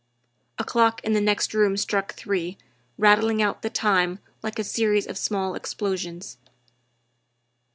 A clock in the next room struck three, rattling out the time like a series of small explosions.